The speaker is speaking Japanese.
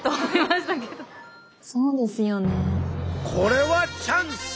これはチャンス！